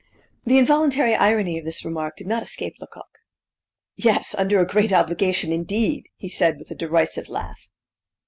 The involuntary irony of this remark did not escape Lecoq. "Yes, under a great obligation, indeed!" he said with a derisive laugh.